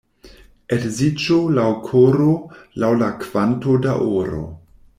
Edziĝo laŭ koro, laŭ la kvanto da oro.